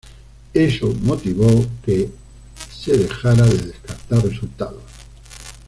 Eso motivó que en se dejara de descartar resultados.